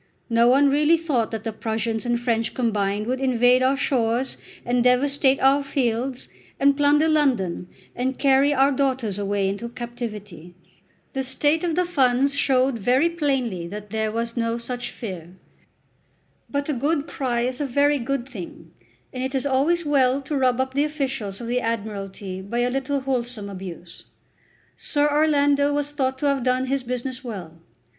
No one really thought that the Prussians and French combined would invade our shores and devastate our fields, and plunder London, and carry our daughters away into captivity. The state of the funds showed very plainly that there was no such fear. But a good cry is a very good thing, and it is always well to rub up the officials of the Admiralty by a little wholesome abuse. Sir Orlando was thought to have done his business well.